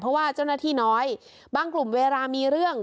เพราะว่าเจ้าหน้าที่น้อยบางกลุ่มเวลามีเรื่อง